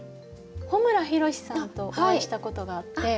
穂村弘さんとお会いしたことがあって。